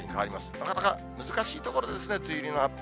なかなか難しいところですね、梅雨入りの発表。